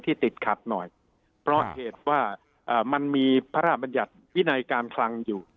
ติดขัดหน่อยเพราะเหตุว่ามันมีพระราชบัญญัติวินัยการคลังอยู่